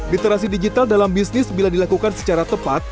literasi digital dalam bisnis bila dilakukan secara tepat